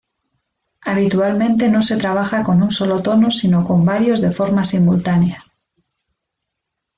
Habitualmente no se trabaja con un solo tono sino con varios de forma simultánea.